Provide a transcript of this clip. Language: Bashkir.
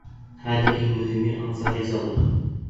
Хәҙер, иң мөһиме, Ансар риза булһын.